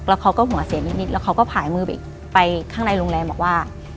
แล้วเขาก็หัวเสียนิดแล้วเขาก็ผ่ายมือไปข้างในโรงแรมบอกว่า